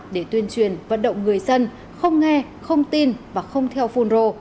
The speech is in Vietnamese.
để tuyên truyền vận động người dân không nghe không tin và không theo phun rô